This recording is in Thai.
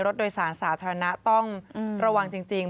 รถโดยสารสาธารณะต้องระวังจริง